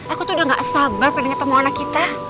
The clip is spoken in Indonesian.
aku tuh udah gak sabar pilih temuan anak kita